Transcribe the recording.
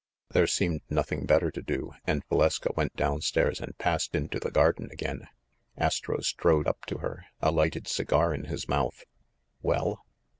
There seemed nothing better to do, and Valeska went down stairs and passed into the garden again. Astro strode up to her, a lighted cigar in his mouth. "Well?"